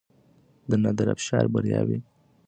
د نادرافشار برياوې د ابدالیانو د بې اتفاقۍ په وجه وې.